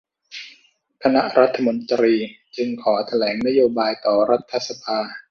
คณะรัฐมนตรีจึงขอแถลงนโยบายต่อรัฐสภา